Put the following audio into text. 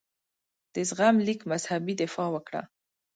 د زغم لیک مذهبي دفاع وکړه.